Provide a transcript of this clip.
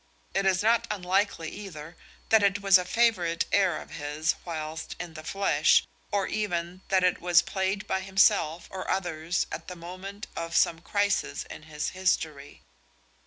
It is not unlikely, either, that it was a favourite air of his whilst in the flesh, or even that it was played by himself or others at the moment of some crisis in his history.